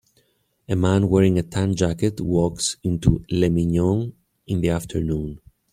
A man wearing a tan jacket walks into Le Mignon in the afternoon.